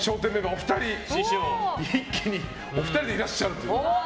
お二人一気にお二人でいらっしゃると。